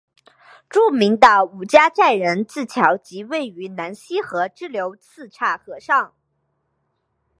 著名的五家寨人字桥即位于南溪河支流四岔河上。